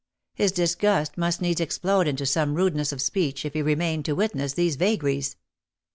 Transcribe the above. His disgust must needs explode into some rude ness of speech^ if he remained to witness these vagaries.